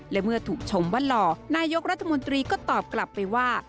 และเมื่อถูกชมว่าหล่อนายกรัฐมนตรีก็ตอบกลับไปว่า